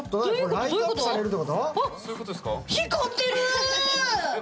ライトアップされるってこと？